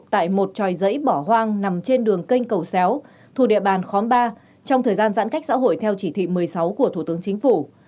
tại một tròi giấy bỏ hoang nằm trên đường kênh cầu xéo thu địa bàn khóm ba trong thời gian giãn cách xã hội theo chỉ thị một mươi sáu của thủ tướng chính phủ